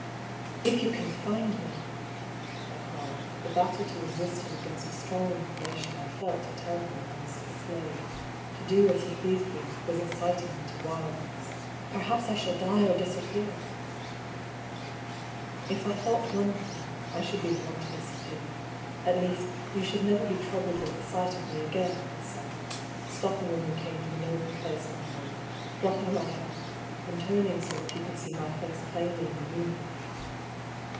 " If you can find me," I cried ; for the battle to resist him against a strong inclination I felt to tell him I was his slave, to do as he pleased with, was exciting me to wildness. " Perhaps I shall die or disappear !"" If I thought one thing, I should be the one to dis appear ; at least, you should never be troubled with the sight of me again," he said, stopping when we came to an open place in the road, dropping my hand, and turn ing so that he could see my face plainly+n the moonlight.